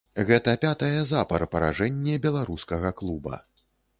Гэта пятае запар паражэнне беларускага клуба.